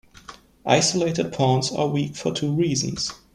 Isolated pawns are weak for two reasons.